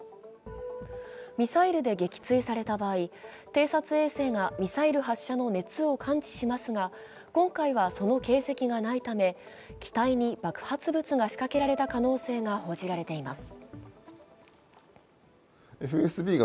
ミサイルで撃墜された場合、偵察衛星がミサイル発射の熱を感知しますが今回はその形跡がないため、機体に爆発物が仕掛けられた可能性が報じられています。